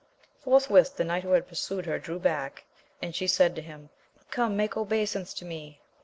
Forthwith the knight who had pursued her drew back, and she said to him — Come, make obeisance to me